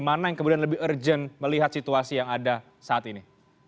mana yang kemudian lebih urgent melihat situasi yang ada saat ini